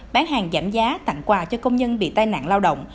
bán hàng giảm giá tặng quà cho công nhân bị tai nạn lao động